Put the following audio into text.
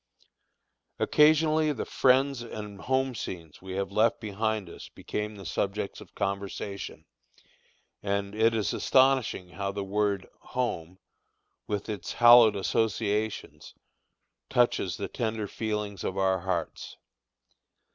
Occasionally the friends and home scenes we have left behind us became the subjects of conversation, and it is astonishing how that word "home," with its hallowed associations, touches the tender feelings of our hearts.